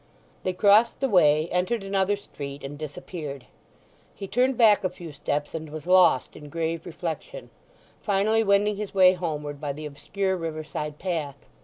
They crossed the way, entered another street, and disappeared. He turned back a few steps and was lost in grave reflection, finally wending his way homeward by the obscure river side path.